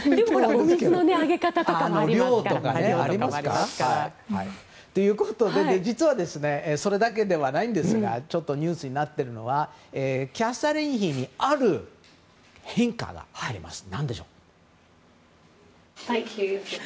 お水のあげ方とかもありますからね。ということで実はそれだけではないんですがちょっとニュースになっているのはキャサリン妃にある変化がありました。